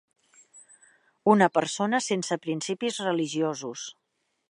Una persona sense principis religiosos.